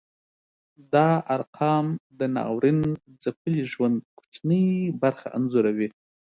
دا ارقام د ناورین ځپلي ژوند کوچنۍ برخه انځوروي.